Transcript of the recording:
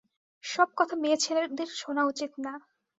সব কথা মেয়েছেলেদের শোনা উচিত না।